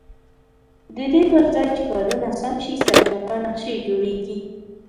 ددې پرځای چې کارونه سم شي سرچپه نقشې جوړېږي.